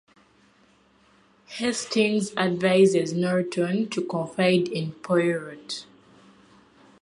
Hastings advises Norton to confide in Poirot.